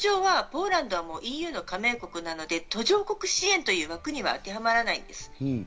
制度上はポーランドはＥＵの加盟国なので、途上国支援という国には当てはまらないです。